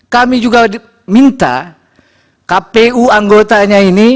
kami juga minta kpu anggotanya ini